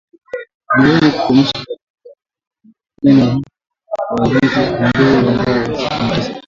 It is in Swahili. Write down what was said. Ni muhimu kukomesha tabia hiyo pia ni muhimu kuwaangazia wale ambao wamehusika na mateso